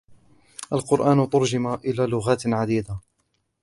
القرآن تُرجم إلى لغات عديدة.